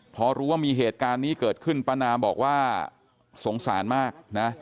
พอรู้ว่ามีเหตุการณ์นี้เกิดขึ้นป้านาบอกว่าสงสารมากนะ